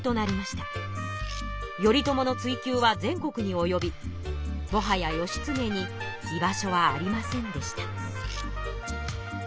頼朝の追きゅうは全国におよびもはや義経に居場所はありませんでした。